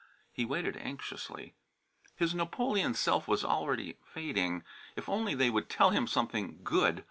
He waited anxiously. His Napoleon self was already fading. If only they would tell him something "good."